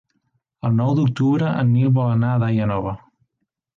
El nou d'octubre en Nil vol anar a Daia Nova.